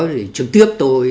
thì trực tiếp tôi